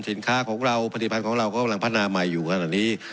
สินค้าของเราผลิตภัณฑ์ของเราก็กำลังพัฒนาใหม่อยู่ขนาดนี้